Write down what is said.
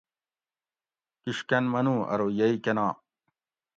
کِشکن منو ارو یئ کنا؟